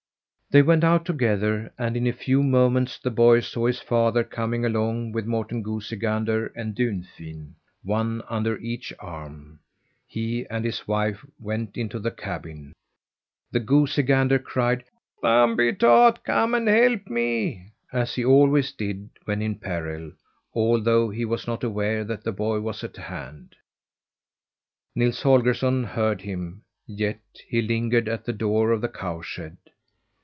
They went out together and in a few moments the boy saw his father coming along with Morten Goosey Gander and Dunfin one under each arm. He and his wife went into the cabin. The goosey gander cried: "Thumbietot, come and help me!" as he always did when in peril although he was not aware that the boy was at hand. Nils Holgersson heard him, yet he lingered at the door of the cow shed.